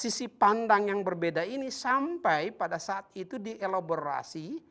sisi pandang yang berbeda ini sampai pada saat itu dielaborasi